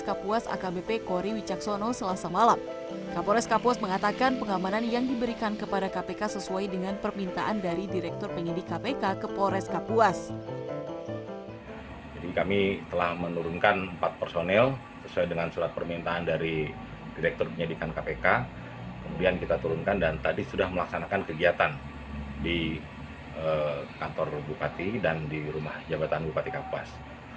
kapolres kapuas mengatakan pengamanan yang diberikan kepada kpk sesuai dengan permintaan dari direktur penyidik kpk kapolres kapuas